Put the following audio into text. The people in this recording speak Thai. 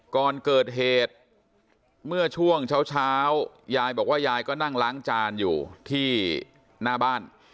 ก่อนเกิดเหตุเมื่อช่วงเช้ายายบอกว่ายายก็นั่งล้างจานอยู่ที่หน้าบ้าน